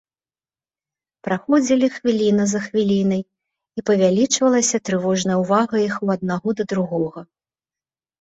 Праходзілі хвіліна за хвілінай, і павялічвалася трывожная ўвага іх у аднаго да другога.